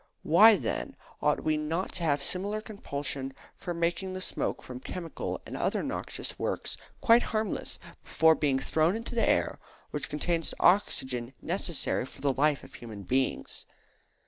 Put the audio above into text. Why, then, ought we not to have similar compulsion for making the smoke from chemical and other noxious works quite harmless before being thrown into the air which contains the oxygen necessary for the life of human beings?